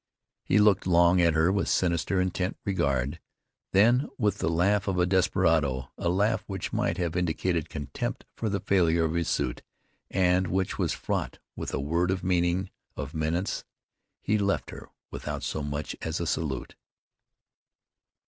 He looked long at her with sinister, intent regard; then, with the laugh of a desperado, a laugh which might have indicated contempt for the failure of his suit, and which was fraught with a world of meaning, of menace, he left her without so much as a salute.